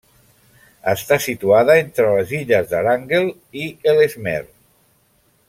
Està situada entre les illes de Wrangel i Ellesmere.